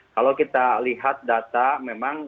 kalau kita lihat data memang